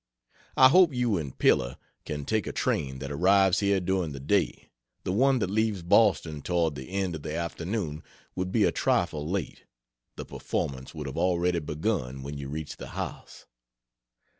I hope you and Pilla can take a train that arrives here during the day; the one that leaves Boston toward the end of the afternoon would be a trifle late; the performance would have already begun when you reached the house.